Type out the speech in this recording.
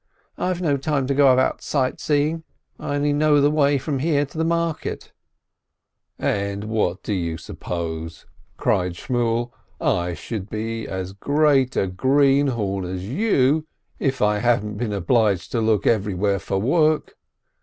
"I've no time to go about sight seeing. I only know the way from here to the market." 360 S. LIBIN "And what do you suppose ?" cried Shmuel. "I should be as great a greenhorn as you, if I hadn't been obliged to look everywhere for work.